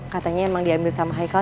katanya emang diambil sama haikal